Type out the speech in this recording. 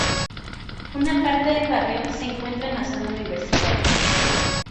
Una parte del barrio se encuentra en la Zona Universitaria.